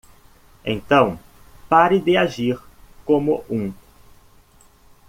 Então pare de agir como um.